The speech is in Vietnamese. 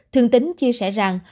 thương tín chia sẻ rằng